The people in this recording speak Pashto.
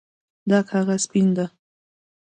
دا کاغذ سپین ده